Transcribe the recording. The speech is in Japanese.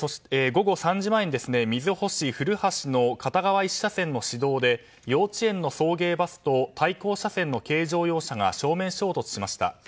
午後３時前に瑞穂市の片側１車線の市道で幼稚園の送迎バスと対向車線の軽乗用車が正面衝突しました。